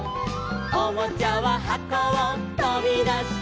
「おもちゃははこをとびだして」